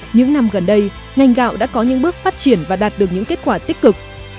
những năm gần đây ngành gạo đã có những bước phát triển và đạt được những kết quả tích cực